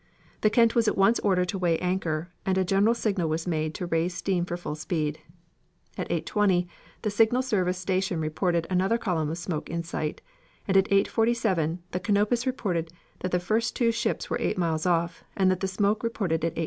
The Kent was at once ordered to weigh anchor, and a general signal was made to raise steam for full speed. At 8.20 the signal service station reported another column of smoke in sight, and at 8.47 the Canopus reported that the first two ships were eight miles off, and that the smoke reported at 8.